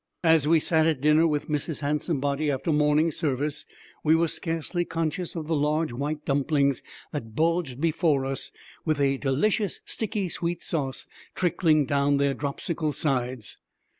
As we sat at dinner with Mrs. Handsomebody after Morning Service, we were scarcely conscious of the large white dumplings, that bulged before us, with a delicious sticky, sweet sauce trickling down their dropsical sides.